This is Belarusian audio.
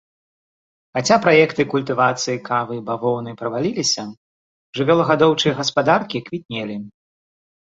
Хаця праекты культывацыі кавы і бавоўны праваліліся, жывёлагадоўчыя гаспадаркі квітнелі.